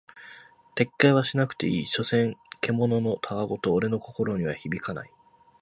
撤回はしなくていい、所詮獣の戯言俺の心には響かない。